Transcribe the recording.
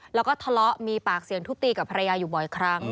แล้วก็ทะเลาะมีปากเสียงทุบตีกับภรรยาอยู่บ่อยครั้ง